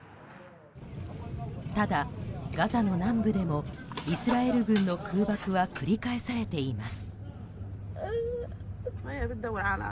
ただ、ガザの南部でもイスラエル軍の空爆は繰り返されています。